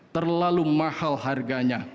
terlalu mahal harganya